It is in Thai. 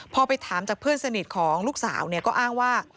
พอไปถามจากเพื่อนสนิทของลูกสาวก็อ้างว่า